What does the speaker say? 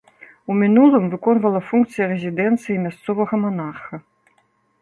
У мінулым выконвала функцыі рэзідэнцыі мясцовага манарха.